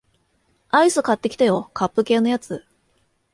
アイス買ってきてよ、カップ系のやつ